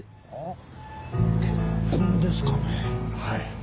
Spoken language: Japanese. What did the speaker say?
はい。